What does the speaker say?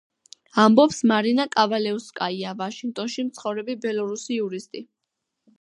ამბობს მარინა კავალეუსკაია, ვაშინგტონში მცხოვრები ბელორუსი იურისტი.